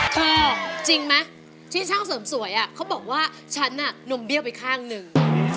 จริงไหมที่ช่างเสริมสวยเขาบอกว่าฉันน่ะนมเบี้ยวไปข้างหนึ่ง